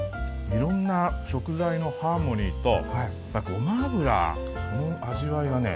いろんな食材のハーモニーとごま油その味わいがね